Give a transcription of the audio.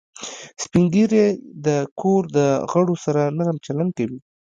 سپین ږیری د کور د غړو سره نرم چلند کوي